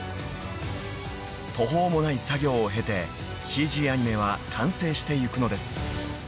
［途方もない作業を経てＣＧアニメは完成していくのです］